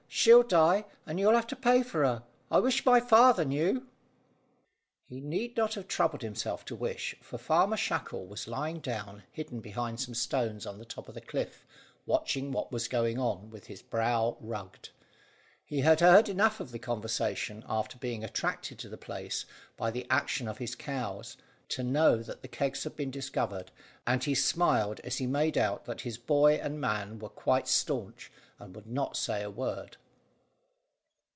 She'll die, and you'll have to pay for her. I wish my father knew." He need not have troubled himself to wish, for Farmer Shackle was lying down, hidden behind some stones on the top of the cliff, watching what was going on, with his brow rugged. He had heard enough of the conversation, after being attracted to the place by the action of his cows, to know that the kegs had been discovered, and he smiled as he made out that his boy and man were quite staunch, and would not say a word.